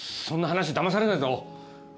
そんな話だまされないぞ！